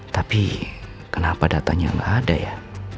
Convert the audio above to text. tapi kenapa datanya nggak ada ya